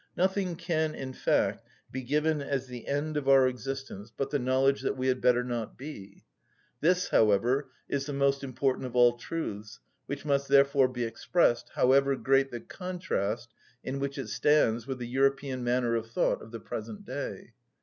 Nothing can, in fact, be given as the end of our existence but the knowledge that we had better not be. This, however, is the most important of all truths, which must therefore be expressed, however great the contrast in which it stands with the European manner of thought of the present day.